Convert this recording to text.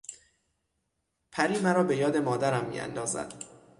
پری مرا به یاد مادرم میاندازد.